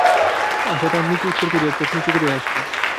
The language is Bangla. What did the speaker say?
আশা তাহার কোনো উত্তর না করিয়া চোখ নিচু করিয়া হাসিল।